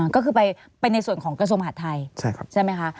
ก็คือไปในส่วนของกระทรวงมหาดไทยใช่ไหมคะ